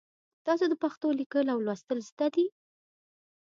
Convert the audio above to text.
تاسو د پښتو لیکل او لوستل زده دي؟